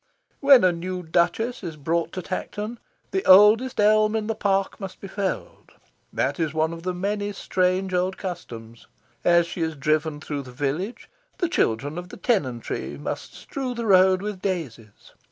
When a new Duchess is brought to Tankerton, the oldest elm in the park must be felled. That is one of many strange old customs. As she is driven through the village, the children of the tenantry must strew the road with daisies.